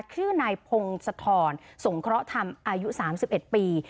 ชื่อนายพงศธรสงเคราะห์ธรรมอายุ๓๑ปี